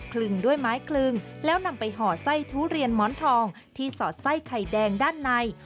ลึงด้วยไม้คลึงแล้วนำไปห่อไส้ทุเรียนหมอนทองที่สอดไส้ไข่แดงด้านใน